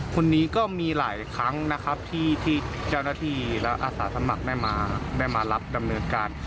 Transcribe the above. คนนี้ก็มีหลายครั้งนะครับที่เจ้าหน้าที่และอาสาสมัครได้มารับดำเนินการ